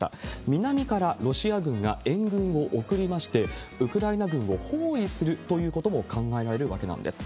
南からロシア軍が援軍を送りまして、ウクライナ軍を包囲するということも考えられるわけなんです。